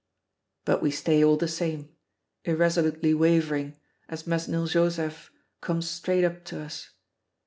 But we stay all the same, irresolutely wavering, as Mesnil Joseph comes straight up to us.